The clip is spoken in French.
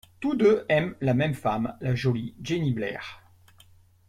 Tous deux aiment la même femme, la jolie Jennie Blair.